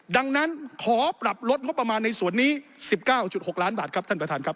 ดังนั้นขอปรับลดงบประมาณในส่วนนี้๑๙๖ล้านบาทครับท่านประธานครับ